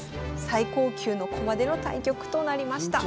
最高級の駒での対局となりました。